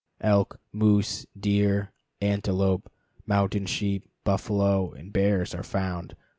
Elk, moose, deer, antelope, mountain sheep, buffalo, and bears are found.